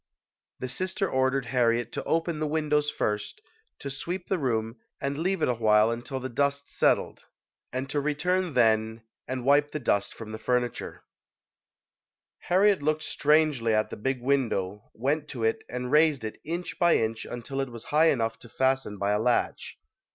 The sister ordered Harriet to open the win dows first, to sweep the room and leave it a while until the dust settled, and to return then and wipe the dust from the furniture. 90 ] UNSUNG HEROES Harriet looked strangely at the big window, went to it and raised it inch by inch until it was high enough to fasten by a latch.